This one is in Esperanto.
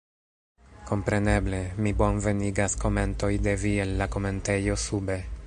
Kompreneble, mi bonvenigas komentoj de vi el la komentejo sube